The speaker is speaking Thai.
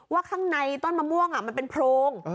ข้างในต้นมะม่วงมันเป็นโพรง